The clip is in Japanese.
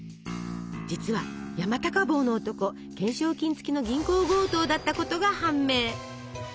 実は山高帽の男懸賞金付きの銀行強盗だったことが判明。